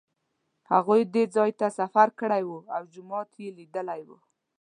هغوی دې ځای ته سفر کړی و او جومات یې لیدلی و.